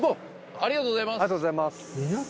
ありがとうございます。